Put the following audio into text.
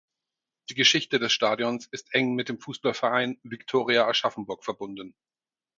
Die Geschichte des Stadions ist eng mit dem Fußballverein Viktoria Aschaffenburg verbunden.